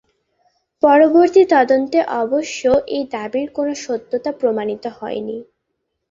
পরবর্তী তদন্তে অবশ্য এই দাবির কোন সত্যতা প্রমাণিত হয়নি।